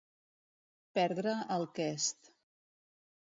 Perdre el quest.